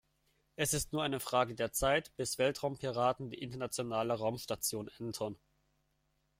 Es ist nur eine Frage der Zeit, bis Weltraumpiraten die Internationale Raumstation entern.